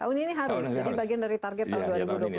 tahun ini harus jadi bagian dari target tahun dua ribu dua puluh satu